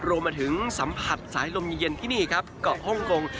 รวมไปถึงสัมผัสสายลมเย็นที่นี่ครับเกาะฮ่องกง